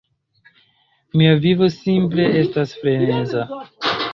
Mia vivo simple estas freneza